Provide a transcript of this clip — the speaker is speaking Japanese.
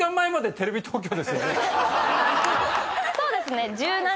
そうですね。